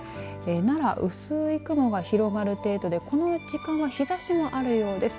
奈良、薄い雲が広がる程度でこの時間は日ざしもあるようです。